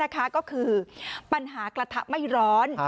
ก็คือปัญหากระทะไม่ร้อน